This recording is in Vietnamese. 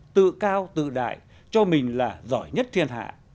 tự cao tự đại cho mình là giỏi nhất thiên hạ